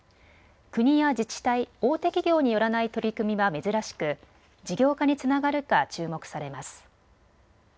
国や自治体、大手企業によらない取り組みは珍しく事業化につながるか注目されます。